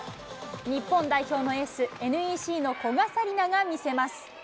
日本代表のエース、ＮＥＣの古賀紗理那が見せます。